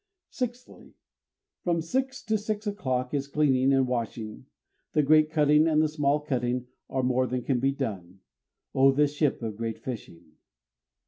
Sixthly, From six to six o'clock is cleaning and washing: the great cutting and the small cutting are more than can be done. _O this ship of great fishing!